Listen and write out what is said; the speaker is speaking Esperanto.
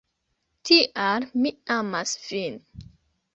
Tial mi amas vin